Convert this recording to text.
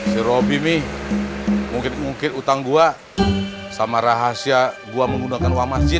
si robby mi mungkin ngungkit utang gua sama rahasia gua menggunakan wang masjid